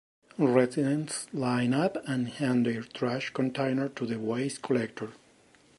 Residents line up and hand their trash container to the waste collector.